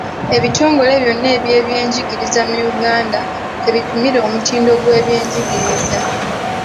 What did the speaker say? Ebitongole byonna eby'ebyenjigiriza mu Uganda kwe bipimira omutindo gw'ebyenjigiriza.